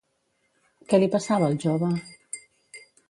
Què li passava al jove?